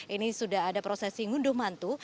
ini sudah ada prosesi ngunduh mantu